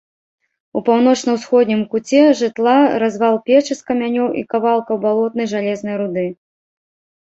У паўночна-ўсходнім куце жытла развал печы з камянёў і кавалкаў балотнай жалезнай руды.